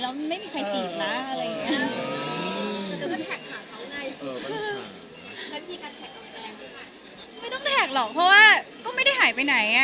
แล้วไม่มีใครจีบละ